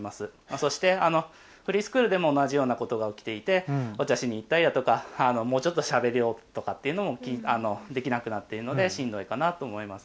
そして、フリースクールでも同じようなことが起きていてお茶しにいったりだとかもうちょっとおしゃべりをとかができなくなっているのでちょっとしんどいかなと思います。